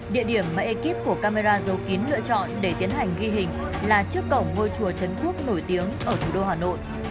địa điểm mà ekip của camera giấu kín lựa chọn để tiến hành ghi hình là trước cổng ngôi chùa trấn quốc nổi tiếng ở thủ đô hà nội